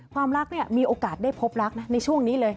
ความรักมีโอกาสได้พบรักนะในช่วงนี้เลย